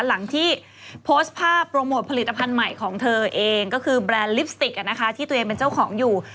หลังที่โพสต์ภาพโปรโมทผลิตภัณฑ์ใหม่ของเธอเองก็คือแบรนด์ลิปสติกที่ตัวเองเป็นเจ้าของอยู่